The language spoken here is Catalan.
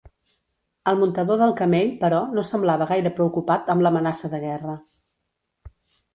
El muntador del camell, però, no semblava gaire preocupat amb l'amenaça de guerra.